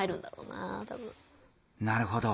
なるほど。